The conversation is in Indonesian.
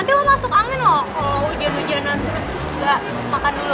nanti lo masuk angin loh kalo hujan hujanan terus